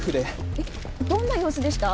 えっどんな様子でした？